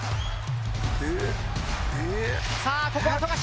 さあここは富樫。